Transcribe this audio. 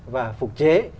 và phục chế